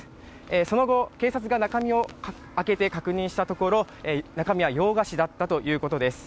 その後、警察が中身を開けて確認したところ中身は洋菓子だったということです。